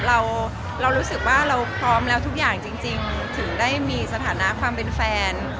เรารู้สึกว่าเราพร้อมแล้วทุกอย่างจริงถึงได้มีสถานะความเป็นแฟน